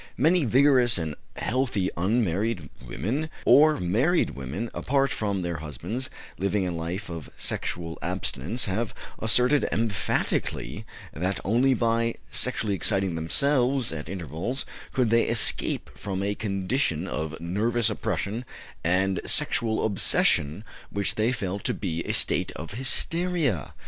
Many vigorous and healthy unmarried women or married women apart from their husbands, living a life of sexual abstinence, have asserted emphatically that only by sexually exciting themselves, at intervals, could they escape from a condition of nervous oppression and sexual obsession which they felt to be a state of hysteria.